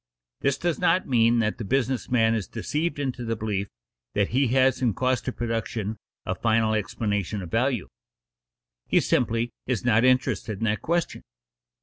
This does not mean that the business man is deceived into the belief that he has in cost of production a final explanation of value. He simply is not interested in that question.